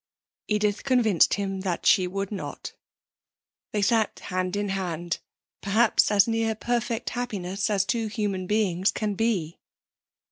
Edith convinced him that she would not. They sat hand in hand, perhaps as near perfect happiness as two human beings can be....